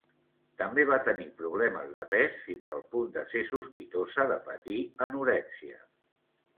També va tenir problemes de pes fins al punt de ser sospitosa de patir anorèxia.